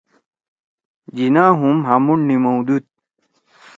جناح ہُم ہامُو نیِمؤدُود